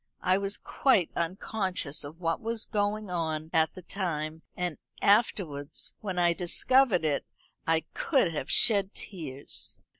I was quite unconscious of what was going on at the time; and afterwards, when I discovered it, I could have shed tears.